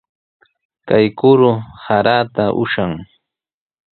Kay kuru saraata ushan.